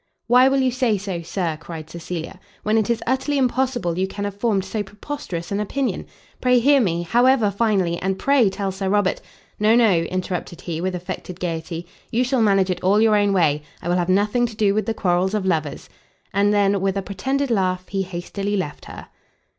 "Why will you say so, Sir?" cried Cecilia, "when it is utterly impossible you can have formed so preposterous an opinion. Pray hear me, however, finally, and pray tell Sir Robert " "No, no," interrupted he, with affected gaiety, "you shall manage it all your own way; I will have nothing to do with the quarrels of lovers." And then, with a pretended laugh, he hastily left her.